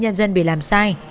nhân dân bị làm sai